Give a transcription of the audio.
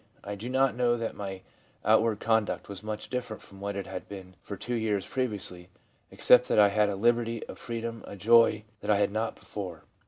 I do not know that my outward conduct was much different from what it had been for two years previously, except that I had a liberty, a freedom, a joy, that I had not before.